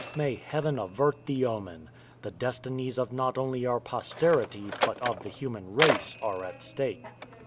May Heaven avert the omen! The destinies of not only our posterity, but of the human race, are at stake.